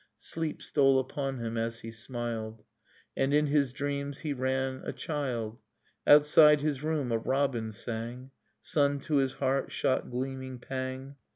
... Sleep stole upon him as he smiled, Dust in Starlight And in his dreams he ran a child. Outside his room a robin sang. Sun to his heart shot gleaming pang.